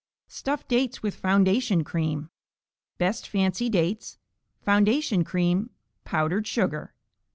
Stuffed Dates with Foundation Cream Best fancy dates. Foundation cream. Powdered sugar.